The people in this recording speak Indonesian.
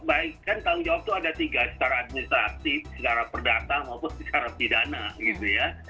baik kan tanggung jawab itu ada tiga secara administratif secara perdata maupun secara pidana gitu ya